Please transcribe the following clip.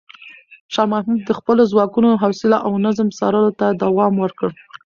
شاه محمود د خپلو ځواکونو حوصله او نظم څارلو ته دوام ورکړ.